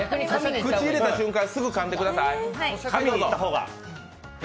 口に入れた瞬間にすぐかんでください。